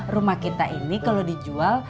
rumah kita ini kalau dijual